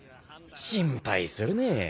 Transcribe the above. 心配するねぇ